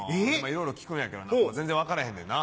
いろいろ聞くんやけど全然分からへんねんな。